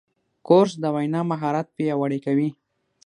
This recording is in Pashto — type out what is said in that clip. کورس د وینا مهارت پیاوړی کوي.